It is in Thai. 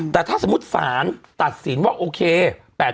แต่ถ้าสมมุติศาลตัดสินว่าโอเค